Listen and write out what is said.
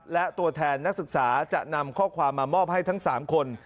และตัวแทนนักศึกษาจะนำข้อความมามอบให้ทั้ง๓คน